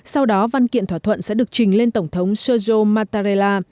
sau đó văn kiện thỏa thuận sẽ được trình lên tổng thống sojo mattarella